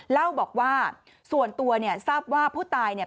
เล่าบอกว่าส่วนตัวเนี่ยทราบว่าผู้ตายเนี่ย